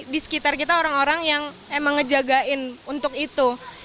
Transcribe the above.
di sekitar kita orang orang yang emang ngejagain untuk itu